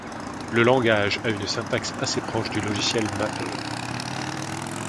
Le langage a une syntaxe assez proche du logiciel Maple.